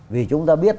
vì chúng ta biết